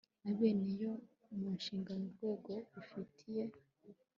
na bene yo mu nshingano urwego rubifitiye